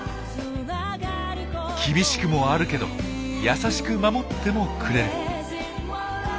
厳しくもあるけど優しく守ってもくれる。